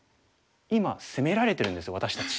今攻められてるんです私たち。